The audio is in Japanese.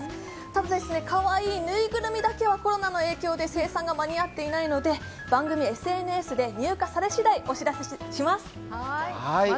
ただ、かわいい縫いぐるみだけはコロナの影響で生産が間に合っていないので番組ＳＮＳで、入荷されしだいお知らせします。